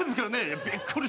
やっぱり。